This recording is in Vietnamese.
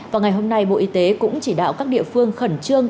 và ngày hôm nay bộ y tế cũng chỉ đạo các địa phương khẩn trương